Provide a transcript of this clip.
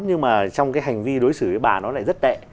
nhưng mà trong cái hành vi đối xử với bà nó lại rất tệ